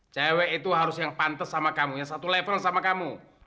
cewek itu harus yang pantes sama kamu yang satu level sama kamu